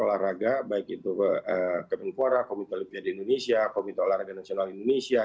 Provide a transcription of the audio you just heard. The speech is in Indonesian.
olahraga baik itu kemenpora komite olimpiade indonesia komite olahraga nasional indonesia